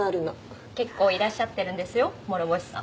結構いらっしゃってるんですよ諸星さん。